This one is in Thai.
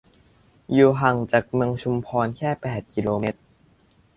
อยู่ห่างจากเมืองชุมพรแค่ แปด กิโลเมตร